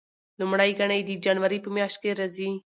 لومړۍ ګڼه یې د جنوري په میاشت کې راځي.